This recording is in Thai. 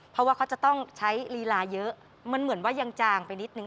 เพราะว่าเขาจะต้องใช้ลีลาเยอะมันเหมือนว่ายังจางไปนิดนึ